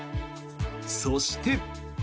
そして。